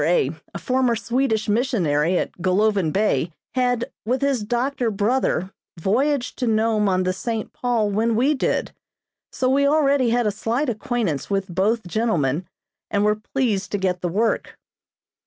a former Swedish missionary at Golovin Bay, had, with his doctor brother, voyaged to Nome on the "St. Paul" when we did, so we already had a slight acquaintance with both gentlemen and were pleased to get the work.